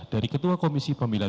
dari ketua komisi pemilikan